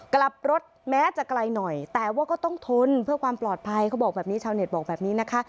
กลับรถแม้จะไกลหน่อยแต่ว่าก็ต้องทนเพื่อความปลอดภัยเขาบอกแบบนี้ชาวเน็ตบอกแบบนี้นะคะ